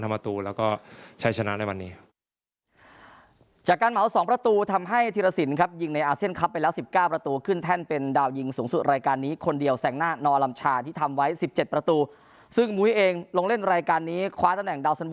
ผลการต่างความเป็นอย่างไรนะครับ